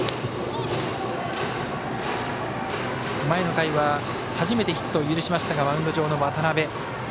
前の回は初めてヒットを許したマウンド上の渡邊。